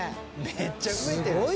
めっちゃ増えてる。